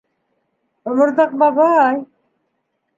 ОМОРҘАҠ БАБАЙ